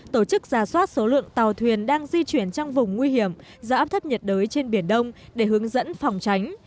tổ chức giả soát số lượng tàu thuyền đang di chuyển trong vùng nguy hiểm do áp thấp nhiệt đới trên biển đông để hướng dẫn phòng tránh